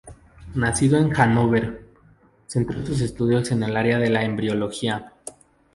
Nacido en Hanóver, centró sus estudios en el área de la embriología.